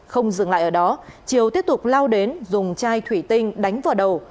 không dừng lại ở đó triều tiếp tục lao đến dùng chai thủy tinh đánh vào đầu